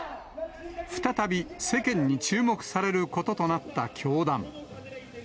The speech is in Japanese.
再び世間に注目されることとなった教団。